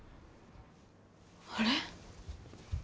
あれ？